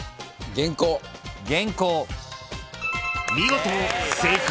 ［見事正解］